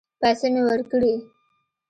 پيسې مې ورکړې.